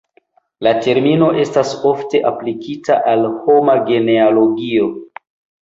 La termino estas ofte aplikita al homa genealogio.